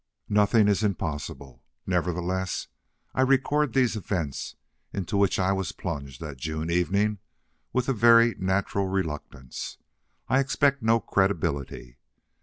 Nothing is impossible! Nevertheless I record these events into which I was plunged that June evening with a very natural reluctance. I expect no credibility.